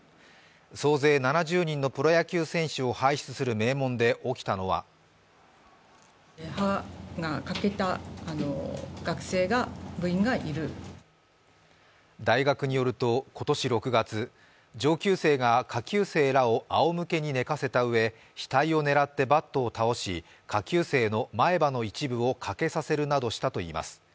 総勢７０人のプロ野球選手を輩出する名門で起きたのが大学によると、今年６月上級生が下級生らをあおむけに寝かせた上、額を狙ってバットを倒し、下級生の前歯の一部を欠けさせるなどしたといいます。